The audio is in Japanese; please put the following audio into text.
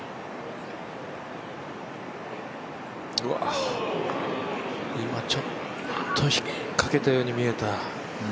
うわ今、ちょっとひっかけたように見えた。